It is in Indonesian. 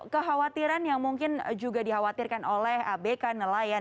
kekhawatiran yang mungkin juga dikhawatirkan oleh abk nelayan